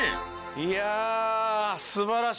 いや。